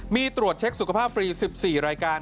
มีตรวจเช็คสุขภาพฟรี๑๔รายการ